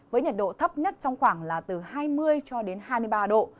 với nhiệt độ thấp nhất trong khoảng là từ hai mươi cho đến hai mươi ba độ